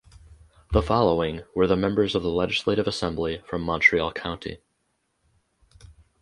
The following were the members of the Legislative Assembly from Montreal County.